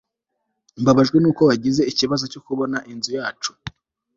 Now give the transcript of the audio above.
Mbabajwe nuko wagize ikibazo cyo kubona inzu yacu